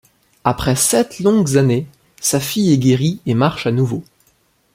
Après sept longues années, sa fille est guérie et marche à nouveau.